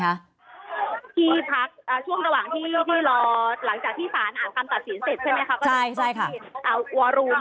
ที่พักช่วงต่างหากที่รอหลังจากที่สารอ่านการตัดสินเสร็จใช่ไหมคะ